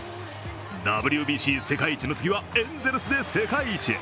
ＷＢＣ世界一の次はエンゼルスで世界一へ。